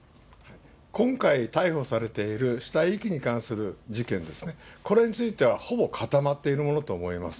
今回逮捕されている死体遺棄に関する事件ですね、これについてはほぼ固まっているものと思われます。